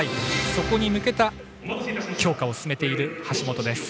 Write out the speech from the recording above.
そこに向けた強化を進めている橋本です。